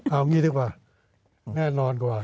เอางี้ดีกว่าแน่นอนกว่า